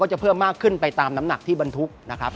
จะเพิ่มมากขึ้นไปตามน้ำหนักที่บรรทุกนะครับ